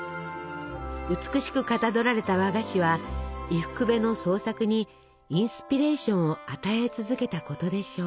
美しくかたどられた和菓子は伊福部の創作にインスピレーションを与え続けたことでしょう。